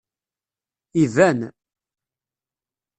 Iban.